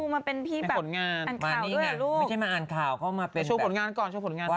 มีผู้หญิงอยู่หนึ่งคน